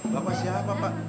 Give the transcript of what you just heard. bapak siapa pak